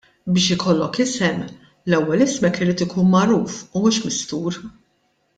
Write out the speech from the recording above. Biex ikollok isem l-ewwel ismek irid ikun magħruf u mhux mistur.